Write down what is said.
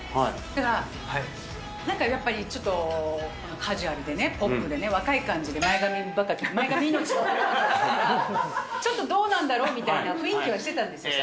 ただ、なんかやっぱりちょっと、カジュアルでね、ポップで若い感じで前髪ばっかり、前髪命、ちょっとどうなんだろう？みたいな雰囲気だったんですよ。